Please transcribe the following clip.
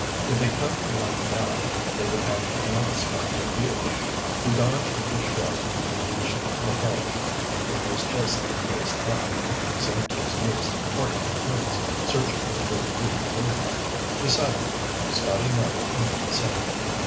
If they crouched behind that, they would have an unobstructed view. He dodged a shrub and reached the hedge; it was just waist high. He sank to his knees and parted the twigs, searching for a good view through them. Beside him, Scotty knelt and did the same.